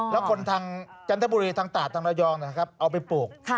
แล้วคนทางจันทบุรีทางตาดทางระยองนะครับเอาไปปลูก